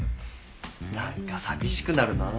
何か寂しくなるな。